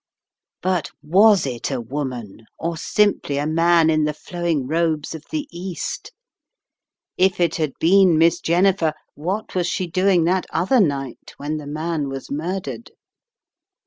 But was it a woman, or simply a man in the flowing robes of the East? If it had been Miss Jennifer, what was she doing that other night when the man was murdered?